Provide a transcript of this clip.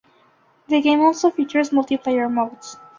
The game also features multiplayer modes.